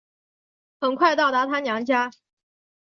很快到达她娘家